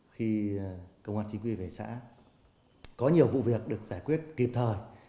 khi công an chính quy về xã có nhiều vụ việc được giải quyết kịp thời